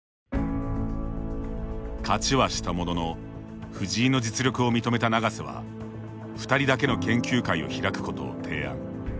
勝ちはしたものの藤井の実力を認めた永瀬は２人だけの研究会を開くことを提案。